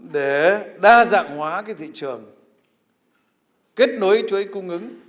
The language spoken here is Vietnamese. để đa dạng hóa thị trường kết nối chuỗi cung ứng